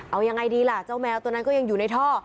เอายังไงดีล่ะเจ้าแมวตัวนั้นก็ยังอยู่ในท่อ